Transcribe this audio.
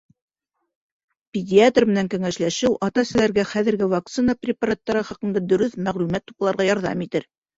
Педиатр менән кәңәшләшеү ата-әсәләргә хәҙерге вакцина препараттары хаҡында дөрөҫ мәғлүмәт тупларға ярҙам итер.